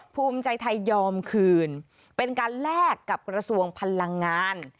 ภูมิใจไทยยอมคืนเป็นการแลกกับกระทรวงพลังงาน